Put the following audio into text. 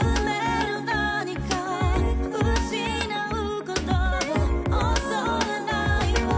「失うことを恐れないわ」